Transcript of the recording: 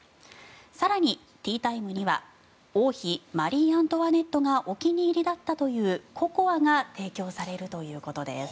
更に、ティータイムには王妃マリー・アントワネットがお気に入りだったというココアが提供されるということです。